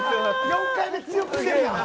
４回目、強くしてるやん！